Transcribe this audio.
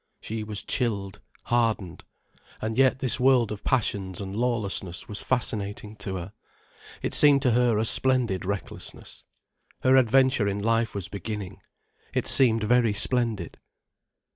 She was chilled, hardened. And yet this world of passions and lawlessness was fascinating to her. It seemed to her a splendid recklessness. Her adventure in life was beginning. It seemed very splendid.